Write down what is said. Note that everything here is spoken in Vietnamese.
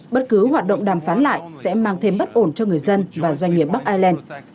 bất cứ hoạt động đàm phán lại sẽ mang thêm bất ổn cho người dân và doanh nghiệp bắc ireland